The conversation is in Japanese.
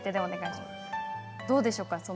どうでしょうか？